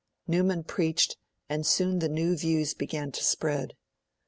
Newman preached, and soon the new views began to spread.